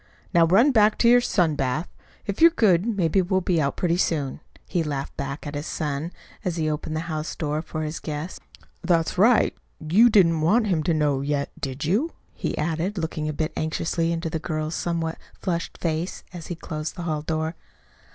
"Now run back to your sun bath. If you're good maybe we'll be out pretty soon," he laughed back at his son, as he opened the house door for his guest. "That's right you didn't want him to know, yet, did you?" he added, looking a bit anxiously into the girl's somewhat flushed face as he closed the hall door.